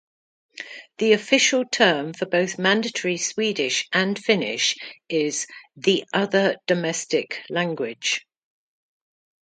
The official term for both mandatory Swedish and Finnish is "the other domestic language".